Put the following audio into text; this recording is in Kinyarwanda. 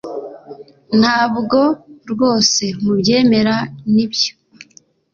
ntabwo rwose mubyemera, nibyo